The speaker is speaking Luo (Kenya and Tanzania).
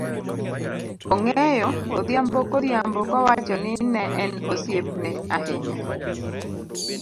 ong'eyo, odhiambo kodhiambo, kowacho ni ne en osiepne ahinya.